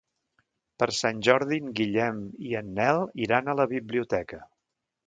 Per Sant Jordi en Guillem i en Nel iran a la biblioteca.